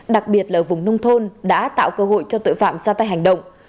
đặc biệt là ở vùng nông thôn đã tạo cơ hội cho tội phạm ra tay hành động